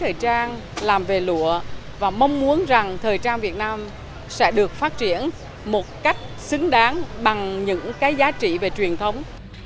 thời trang làm về lụa và mong muốn rằng thời trang việt nam sẽ được phát triển một cách xứng đáng bằng những cái giá trị về truyền thống